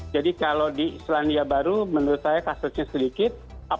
jadi kalau di selandia baru menurut saya itu akan menjadi hal yang lebih baik